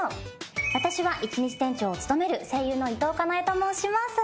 私は１日店長を務める声優の伊藤かな恵と申します。